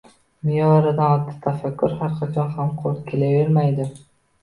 Me’yoridan ortiq tafakkur har qachon ham qo‘l kelavermaydi.